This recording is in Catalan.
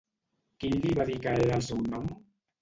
Quin li va dir que era el seu nom?